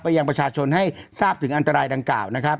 ยังประชาชนให้ทราบถึงอันตรายดังกล่าวนะครับ